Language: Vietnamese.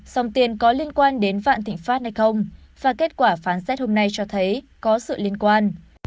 dòng tiền có liên quan đến vạn thịnh pháp hay không và kết quả phán xét hôm nay cho thấy có sự liên quan